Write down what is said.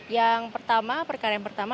yang pertama perkara yang pertama